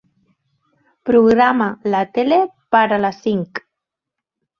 Programa la tele per a les cinc.